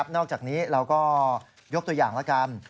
นอกจากนี้เราก็ยกตัวอย่างละกัน